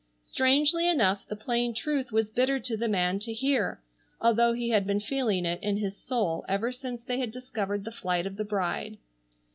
Strangely enough the plain truth was bitter to the man to hear, although he had been feeling it in his soul ever since they had discovered the flight of the bride.